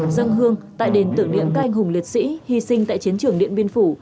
dâng hương tại đền tưởng niệm canh hùng liệt sĩ hy sinh tại chiến trường điện biên phủ